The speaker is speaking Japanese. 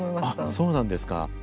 あっそうなんですか。